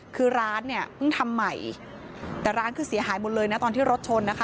คือร้านเนี่ยเพิ่งทำใหม่แต่ร้านคือเสียหายหมดเลยนะตอนที่รถชนนะคะ